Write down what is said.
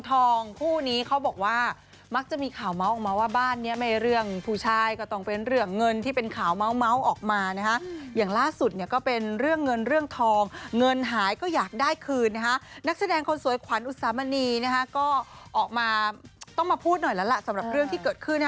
สมณีก็ออกมาต้องมาพูดหน่อยแล้วล่ะสำหรับเรื่องที่เกิดขึ้น